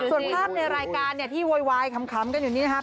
ส่วนภาพในรายการเนี่ยที่โวยวายขำกันอยู่นี่นะครับ